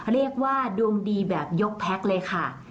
เรียกว่าดวงดีแบบยกแพ็คเลยค่ะ